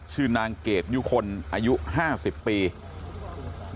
ชื่อนางเกดยุคลอายุ๕๐ปี